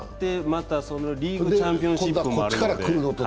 またその上リーグチャンピオンシップもあるので。